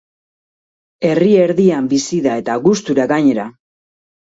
Herri erdian bizi da, eta gustura gainera.